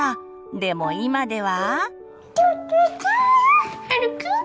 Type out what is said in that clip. でも今では。